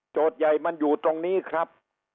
ใหญ่มันอยู่ตรงนี้ครับ